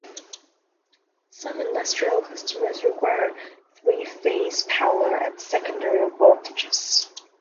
Some industrial customers require three-phase power at secondary voltages.